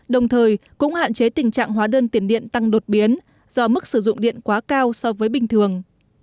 đồng thời cũng hạn chế tình trạng hóa đơn tiền điện tăng đột biến do mức sử dụng điện quá cao so với bình thường